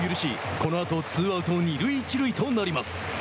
このあと、ツーアウト二塁一塁となります。